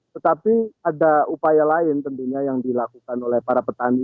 tetapi ada upaya lain tentunya yang dilakukan oleh para petani